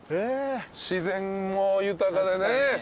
自然も豊かでね。